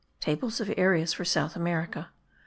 TABLE OF AREAS FOR SOUTH AMERICA.